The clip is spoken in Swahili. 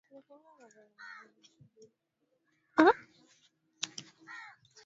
awajibika vipi au kwa jamii ambayo imewateua ili waka wawakilishe